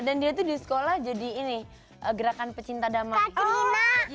dan dia tuh di sekolah jadi ini gerakan pecinta damai